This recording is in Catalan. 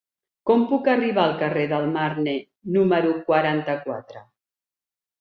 Com puc arribar al carrer del Marne número quaranta-quatre?